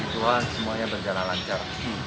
dan semuanya berjalan lancar